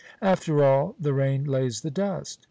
"After all, the rain lays the dust."